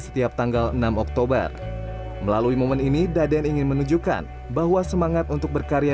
setiap tanggal enam oktober melalui momen ini daden ingin menunjukkan bahwa semangat untuk berkarya